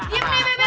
diam nih bebek